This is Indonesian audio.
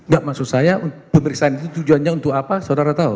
gak maksud saya pemeriksaan itu tujuannya untuk apa saudara tahu